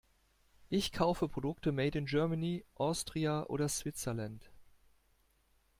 Ich kaufe Produkte made in Germany, Austria oder Switzerland.